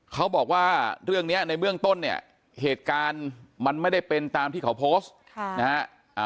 เขาบอกว่าเรื่องนี้ในเบื้องต้นเนี่ยเหตุการณ์มันไม่ได้เป็นตามที่เขาโพสต์นะฮะ